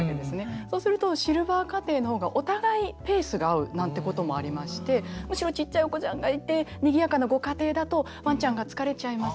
そうするとシルバー家庭の方がお互いペースが合うなんてこともありましてむしろちっちゃいお子ちゃんがいてにぎやかなご家庭だとワンちゃんが疲れちゃいます